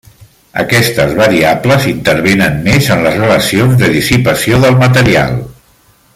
Aquestes variables intervenen més en les relacions de dissipació del material.